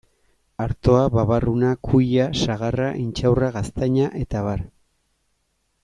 Artoa, babarruna, kuia, sagarra, intxaurra, gaztaina eta abar.